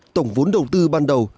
tổng vốn đầu tư ban đầu